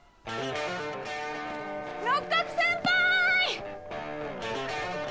六角先輩！